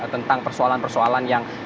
tentang persoalan persoalan yang